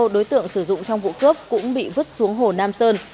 một đối tượng sử dụng trong vụ cướp cũng bị vứt xuống hồ nam sơn